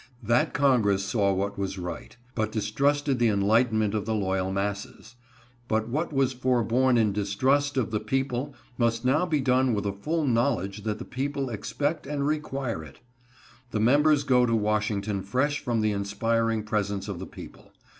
That Congress saw what was right, but distrusted the enlightenment of the loyal masses; but what was forborne in distrust of the people must now be done with a full knowledge that the people expect and require it. The members go to Washington fresh from the inspiring presence of the people.